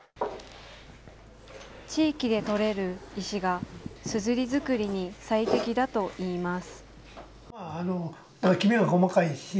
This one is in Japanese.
地域で採れる石がすずりづくりに最適だといいます。